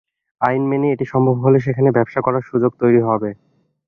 আইন মেনে এটি সম্ভব হলে সেখানে ব্যবসা করার সুযোগ তৈরি হবে।